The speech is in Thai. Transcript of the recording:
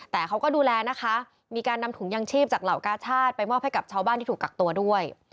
แต่เขาก็ดูแลนะคะมีการนำถุงยางชีพจากเหล่ากาชาติไปมอบให้กับชาวบ้านที่ถูกกักตัวด้วย